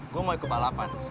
gue mau ikut balapan